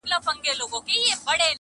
امن راغلی ډوډۍ دي نه وي -